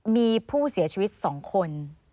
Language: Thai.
มีผู้เสียชีวิต๒คน